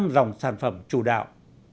năm dòng sản phẩm chủ đạo